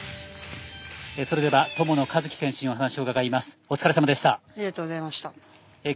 それでは友野一希選手にお話を伺います。